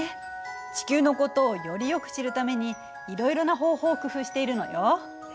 地球のことをよりよく知るためにいろいろな方法を工夫しているのよ。